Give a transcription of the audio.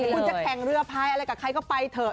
คุณจะแข่งเรือพายอะไรกับใครก็ไปเถอะ